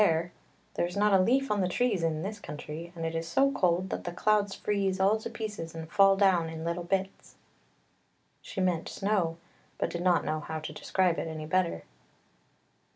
ii cc xi i, there is not a leaf on the trees in this we are so well off then THE STORKS 139 country, and it is so cold that the clouds freeze all to pieces and fall down in little bits." She meant snow, but did not know how to describe it any better.